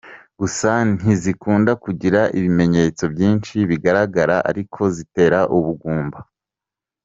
Gusa ntizikunda kugira ibimenyetso byinshi bigaragara ariko zitera ubugumba.